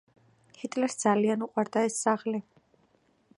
ჰიტლერს ძალიან უყვარდა ეს ძაღლი.